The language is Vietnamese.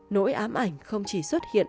nỗi ám ảnh không chỉ xuất hiện